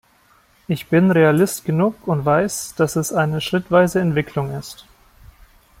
Ich bin Realist genug und weiß, dass es eine schrittweise Entwicklung ist.